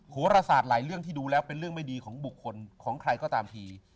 โหรศาสตร์หลายเรื่องที่ดูแล้วเป็นเรื่องไม่ดีของบุคคลของใครก็ตามที